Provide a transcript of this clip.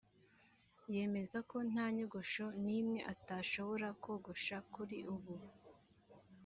yemeza ko nta nyogosho n’imwe atashobora kogosha kuri ubu